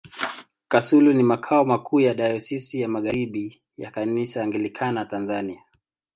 Kasulu ni makao makuu ya Dayosisi ya Magharibi ya Kanisa Anglikana Tanzania.